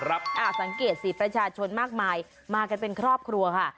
สังเกตสิประชาชนมากมายมากันเป็นครอบครัวค่ะ